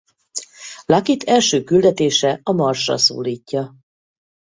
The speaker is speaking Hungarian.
Luckyt első küldetése a Marsra szólítja.